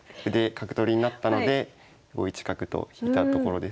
角取りになったので５一角と引いたところです。